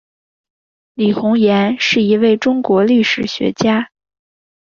李洪岩是一位中国历史学家。